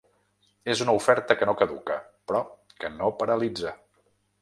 És una oferta que no caduca, però que no paralitza.